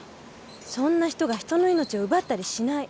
そんな人が人の命を奪ったりしない。